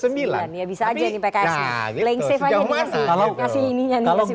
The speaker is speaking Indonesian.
ya bisa saja ini pks nah